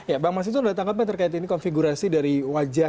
ya bang mas itu ada tanggapan terkait ini konfigurasi dari wajah